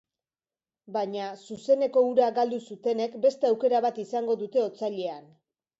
Baina, zuzeneko hura galdu zutenek beste aukera bat izango dute otsailean.